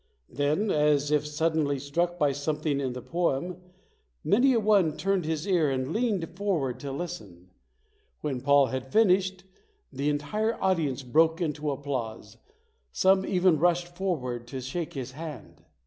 Then, as if suddenly struck by something in the poem, many a one turned his ear and leaned forward to listen. When Paul had finished, the entire audience broke into applause. Some even rushed forward to shake his hand.